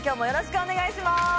よろしくお願いします。